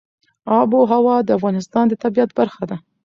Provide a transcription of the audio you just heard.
آب وهوا د افغانستان د طبیعت برخه ده.